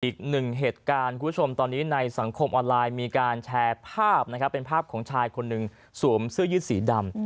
อีกหนึ่งเหตุการณ์คุณผู้ชมตอนนี้ในสังคมออนไลน์มีการแชร์ภาพนะครับเป็นภาพของชายคนหนึ่งสวมเสื้อยืดสีดำ